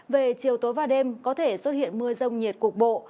về chiều tối và đêm có thể xuất hiện mưa rông nhiệt cục bộ